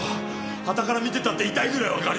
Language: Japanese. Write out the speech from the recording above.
端から見てたって痛いぐらいわかるよ。